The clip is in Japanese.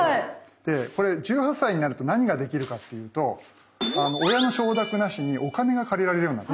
でこれ１８歳になると何ができるかっていうと親の承諾なしにお金が借りられるようになる。